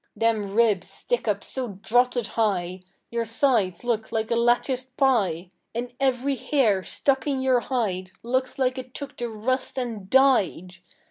Them ribs stick up so drotted high Your sides look like a latticed pie, And every hair stuck in your hide Looks like it's took the rust and died!